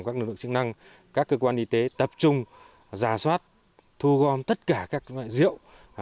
các lực lượng chức năng các cơ quan y tế tập trung giả soát thu gom tất cả các loại rượu